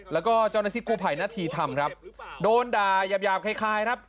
แล้วก็เจ้าหน้าที่กู้ภัยนาธีธรรมครับโดนด่ายาบคล้ายครับ